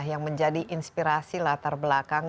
yang menjadi inspirasi latar belakang